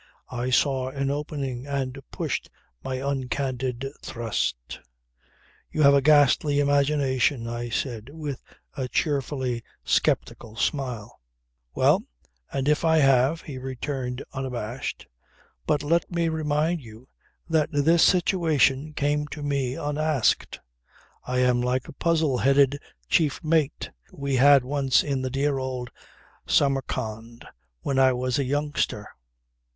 I saw an opening and pushed my uncandid thrust. "You have a ghastly imagination," I said with a cheerfully sceptical smile. "Well, and if I have," he returned unabashed. "But let me remind you that this situation came to me unasked. I am like a puzzle headed chief mate we had once in the dear old Samarcand when I was a youngster.